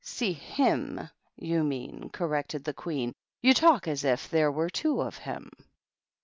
"See him, you mean," corrected the Queer " You talk aa if there were two of him."